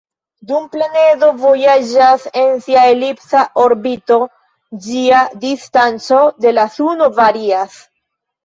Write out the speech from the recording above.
Dum planedo vojaĝas en sia elipsa orbito, ĝia distanco de la suno varias.